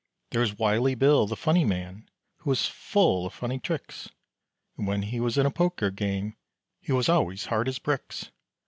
There is Wylie Bill, the funny man, Who was full of funny tricks, And when he was in a poker game He was always hard as bricks.